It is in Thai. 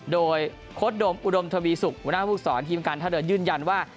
โดยโค้ดโดมอุดมทวีสุกหัวหน้าผู้สอนทีมการท่าเรือยืนยันว่า